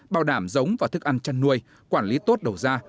bảo đảm giống và thức ăn chăn nuôi quản lý tốt đầu ra